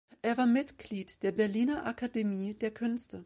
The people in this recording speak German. Er war Mitglied der Berliner Akademie der Künste.